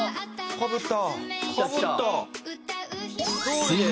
かぶった！